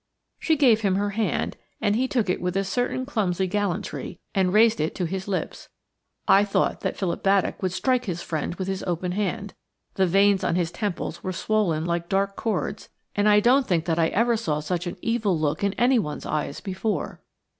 She gave him her hand, and he took it with a certain clumsy gallantry and raised it to his lips. I thought that Philip Baddock would strike his friend with his open hand. The veins on his temples were swollen like dark cords, and I don't think that I ever saw such an evil look in anyone's eyes before.